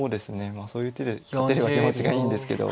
まあそういう手で勝てれば気持ちがいいんですけど。